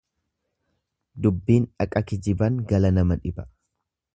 Dubbiin dhaqa kijiban gala nama dhiba.